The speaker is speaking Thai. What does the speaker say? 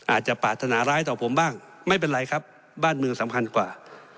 อาจจะปรารถนาร้ายต่อผมบ้างไม่เป็นไรครับบ้านเมืองสำคัญกว่า